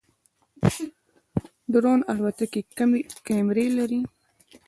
ډرون الوتکې کمرې لري